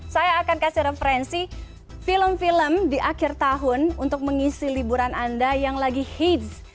saya akan kasih referensi film film di akhir tahun untuk mengisi liburan anda yang lagi hits